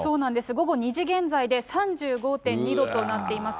午後２時現在で３５．２度となっています。